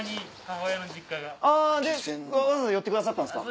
あでわざわざ寄ってくださったんですか。